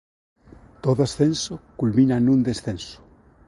Todo ascenso culmina nun descenso.